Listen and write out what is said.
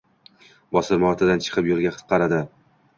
Bostirma ortidan chiqib yoʻlga qaradi